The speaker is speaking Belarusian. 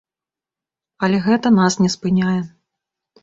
Але гэта нас не спыняе.